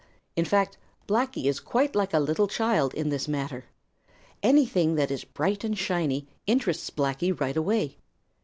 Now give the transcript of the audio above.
In fact, Blacky is quite like a little child in this matter. Anything that is bright and shiny interests Blacky right away.